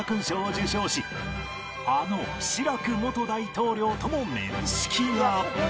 あのシラク元大統領とも面識が